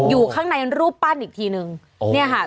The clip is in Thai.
อยู่ข้างในรูปปั้นอีกทีนึงเนี่ยค่ะ